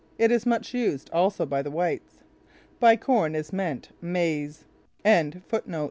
It is much used also by the whites. By corn is meant maise.